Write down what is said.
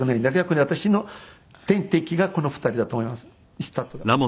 だからこれ私の点滴がこの２人だと思いますスタートが。